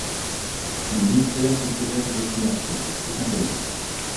Du mystère qui couvrait sa destination, tout simplement.